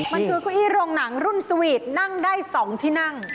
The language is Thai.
มันคือคุยร่งหนังรุ่นสวีทนั่งได้๒ที่นั่ง